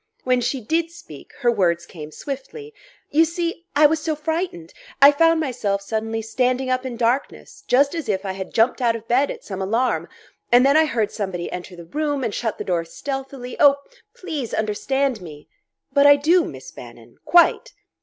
When she did speak, her words came swiftly: "You see...I was so frightened! I found myself suddenly standing up in darkness, just as if I had jumped out of bed at some alarm; and then I heard somebody enter the room and shut the door stealthily...Oh, please understand me!" "But I do, Miss Bannon quite."